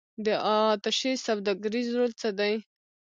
د اتشې سوداګریز رول څه دی؟